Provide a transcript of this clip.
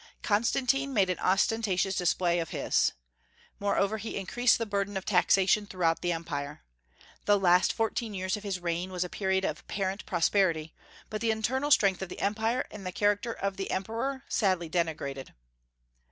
Constantine made an ostentatious display of his. Moreover he increased the burden of taxation throughout the Empire. The last fourteen years of his reign was a period of apparent prosperity, but the internal strength of the Empire and the character of the emperor sadly degenerated.